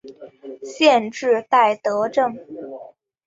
县治戴德城。